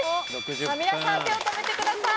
皆さん手を止めてください。